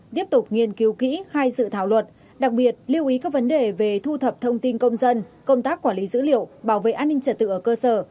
tiếp tục nghiên cứu kỹ hai dự thảo luật đặc biệt lưu ý các vấn đề về thu thập thông tin công dân công tác quản lý dữ liệu bảo vệ an ninh trật tự ở cơ sở